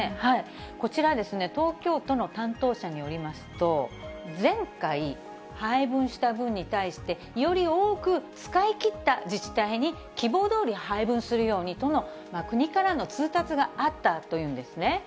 こちらですね、東京都の担当者によりますと、前回、配分した分に対して、より多く使い切った自治体に希望どおり配分するようにとの国からの通達があったというんですね。